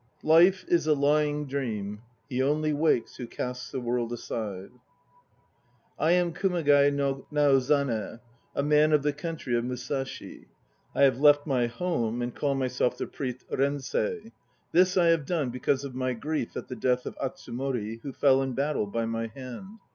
Life is a lying dream, he only wakes Who casts the World aside. I am Kumagai no Naozane, a man of the country of Musashi. I have left my home and call myself the priest Rensei; this I have done because of my grief at the death of Atsumori, who fell in battle by my hand.